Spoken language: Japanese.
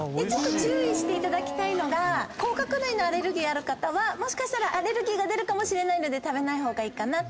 注意してもらいたいのが甲殻類のアレルギーある方はもしかしたらアレルギーが出るかもしれないので食べない方がいい。